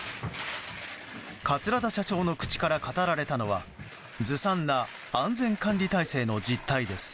桂田社長の口から語られたのはずさんな安全管理体制の実態です。